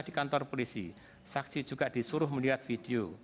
di kantor polisi saksi juga disuruh melihat video